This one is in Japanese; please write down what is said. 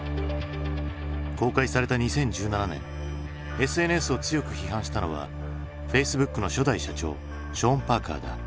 公開された２０１７年ＳＮＳを強く批判したのはＦａｃｅｂｏｏｋの初代社長ショーン・パーカーだ。